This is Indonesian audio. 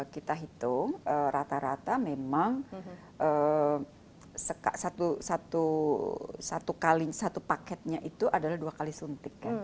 kita hitung rata rata memang satu paketnya itu adalah dua kali suntik